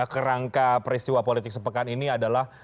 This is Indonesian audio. kerangka peristiwa politik sepekan ini adalah